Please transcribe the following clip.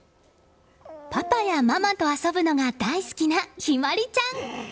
パパやママと遊ぶのが大好きな向日葵ちゃん。